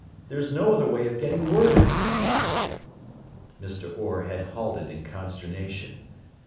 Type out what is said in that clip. There is no other way of getting word out." Mr. Orr had halted in consternation.